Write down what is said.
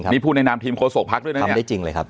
นี่ผู้แนะนำทีมโคโซกท์พลักษณ์ด้วยนะพูดได้จริงเลยครับ